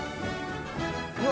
うわ。